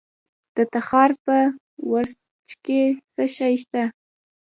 د تخار په ورسج کې څه شی شته؟